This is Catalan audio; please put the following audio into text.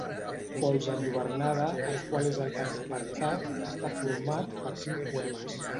Pols enlluernada, el qual és el tercer apartat, està format per cinc poemes.